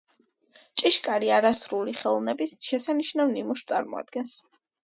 ჭიშკარი ასურული ხელოვნების შესანიშნავ ნიმუშს წარმოადგენს.